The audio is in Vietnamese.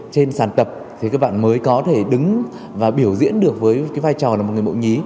trên sàn tập thì các bạn mới có thể đứng và biểu diễn được với cái vai trò là một người mẫu nhí